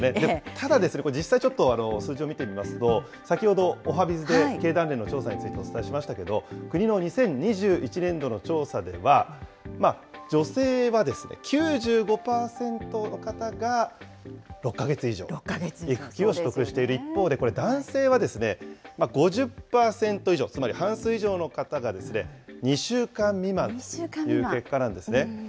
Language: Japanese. ただですね、実際ちょっと数字を見てみますと、先ほどおはＢｉｚで経団連の調査についてお伝えしましたけれども、国の２０２１年度の調査では、女性は９５％の方が６か月以上、育休を取得している一方で、これ、男性は５０％以上、つまり半数以上の方が２週間未満という結果なんですね。